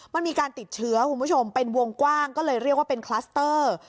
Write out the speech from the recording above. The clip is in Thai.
มันมีการติดเชื้อคุณผู้ชมเป็นวงกว้างก็เลยเรียกว่าเป็นคลัสเตอร์